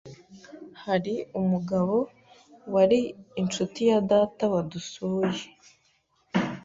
Hari umugabo wari inshuti ya data wadusuye,